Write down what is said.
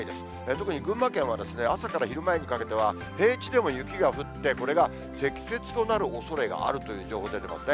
特に群馬県は朝から昼前にかけては、平地でも雪が降って、これが積雪となるおそれがあるという情報が出ていますね。